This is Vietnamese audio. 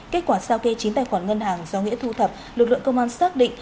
kết quả sao kê chín tài khoản ngân hàng do nghĩa thu thập lực lượng công an xác định